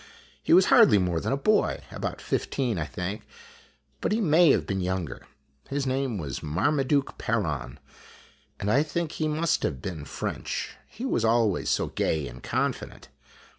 He was hardly more than a boy, about fifteen, I think, but he may have been younger. His name was Marmaduke Perron, and I think he must have been French, he was always so gay and confident.